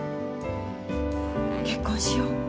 結婚しよう。